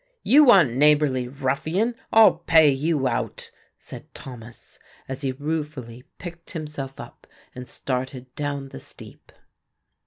"You unneighbourly ruffian. I'll pay you out," said Thomas, as he ruefully picked himself up and started down the steep.